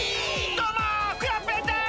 どうもクヨッペンです！